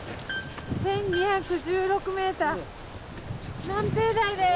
１，２１６ｍ南平台です。